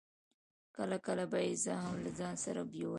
کله کله به يې زه هم له ځان سره بېولم.